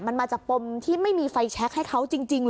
มันมาจากปมที่ไม่มีไฟแชคให้เขาจริงเหรอ